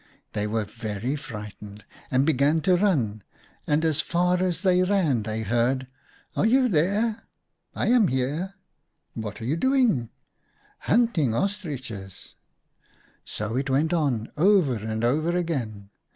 44 They were very frightened and began to run, and as far as they ran they heard :—" 'Are you there ?' "'lam here.' "' What are you doing ?' M ' Hunting Ostriches.' 44 So it went on, over and over again.